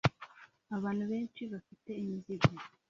Abantu benshi bafite imizigo